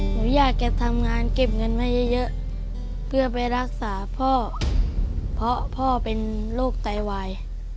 หนูอยากจะทำงานเก็บเงินมาเยอะเพื่อไปรักษาพ่อเพราะพ่อเป็นโรคไตวาย